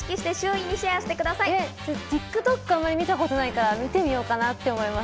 ＴｉｋＴｏｋ、あまり見たことないから見てみようかなって思います。